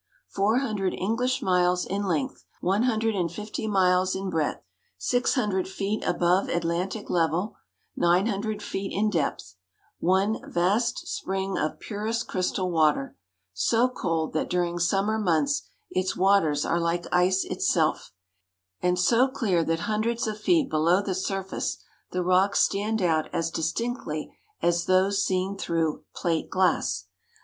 Four hundred English miles in length, one hundred and fifty miles in breadth, six hundred feet above Atlantic level, nine hundred feet in depth; one vast spring of purest crystal water, so cold that during summer months its waters are like ice itself, and so clear that hundreds of feet below the surface the rocks stand out as distinctly as though seen through plate glass.